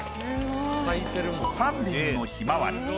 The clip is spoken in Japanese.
３輪のひまわり。